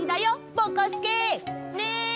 ぼこすけ！ね！